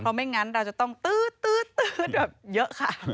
เพราะไม่งั้นเราจะต้องตื๊ดแบบเยอะค่ะ